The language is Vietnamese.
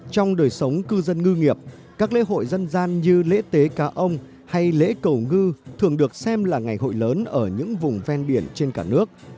trong đời sống cư dân ngư nghiệp các lễ hội dân gian như lễ tế cá ông hay lễ cầu ngư thường được xem là ngày hội lớn ở những vùng ven biển trên cả nước